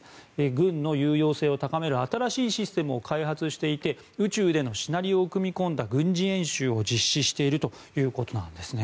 軍の有用性を高める新しいシステムを開発していて宇宙でのシナリオを組み込んだ軍事演習を実施しているということです。